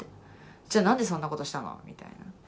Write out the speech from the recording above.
「じゃあ何でそんなことしたの」みたいな。